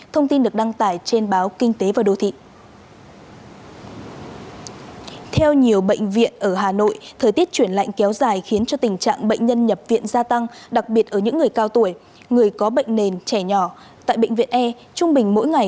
thông tin được đăng tải trên báo kinh tế và đồng chí